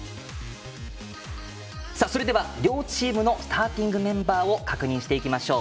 それでは両チームのスターティングメンバーを確認していきましょう。